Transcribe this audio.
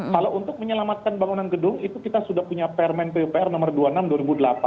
kalau untuk menyelamatkan bangunan gedung itu kita sudah punya permen pupr nomor dua puluh enam dua ribu delapan